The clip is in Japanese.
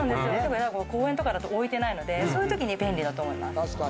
公園とかだと置いてなくて、そういう時に便利だと思います。